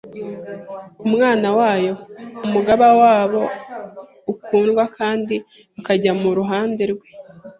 Umwana wayo, umugaba wabo ukundwa kandi bakajya mu ruhande rwe,